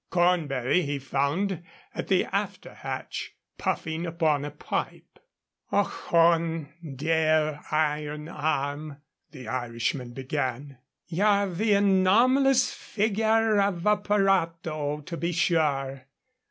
Cornbury he found at the after hatch, puffing upon a pipe. "Ochone, dear Iron Arm," the Irishman began, "ye're the anomalous figure of a pirato, to be sure.